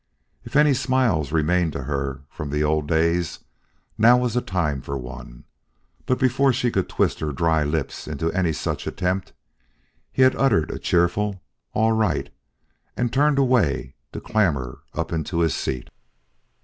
If any smiles remained to her from the old days, now was the time for one; but before she could twist her dry lips into any such attempt, he had uttered a cheerful "All right" and turned away to clamber up into his seat.